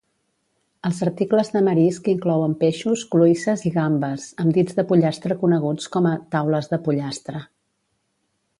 Els articles de marisc inclouen peixos, cloïsses i gambes, amb dits de pollastre coneguts com a "Taules de pollastre".